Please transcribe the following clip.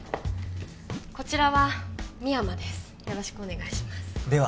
こちらは深山です